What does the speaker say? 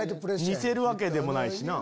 似せるわけでもないしな。